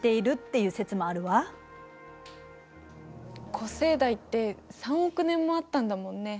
古生代って３億年もあったんだもんね。